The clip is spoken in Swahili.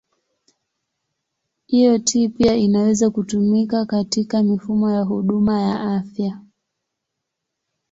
IoT pia inaweza kutumika katika mifumo ya huduma ya afya.